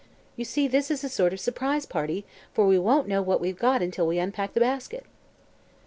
You see, this is a sort of surprise party, for we won't know what we've got until we unpack the basket."